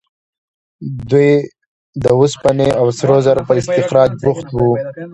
دوی د اوسپنې او سرو زرو په استخراج بوخت وو.